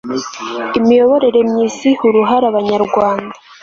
imiyoborere myiza iha uruhare abanyarwanda